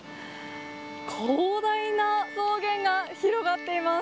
広大な草原が広がっています。